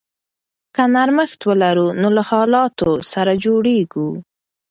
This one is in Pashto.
که نرمښت ولرو نو له حالاتو سره جوړیږو.